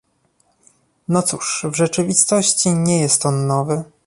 No cóż, w rzeczywistości nie jest on nowy